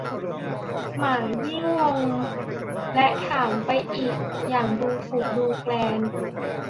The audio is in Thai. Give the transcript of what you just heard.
หมายิ่งงงและถามไปอีกอย่างดูถูกดูแคลน